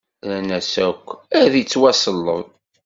Rran-as akk: Ad ittwaṣelleb!